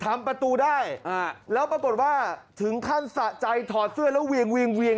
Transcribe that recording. ทำประตูได้แล้วปรากฏว่าถึงขั้นสะใจถอดเสื้อแล้วเวียง